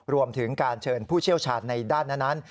รวมถึงการเชิญผู้เชี่ยวชาญในด้านนั้น